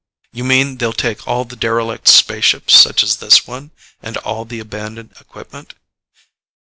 "You mean they'll take all the derelict spaceships, such as this one, and all the abandoned equipment?"